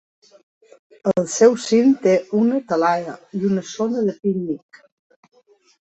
Al seu cim té una talaia i una zona de pícnic.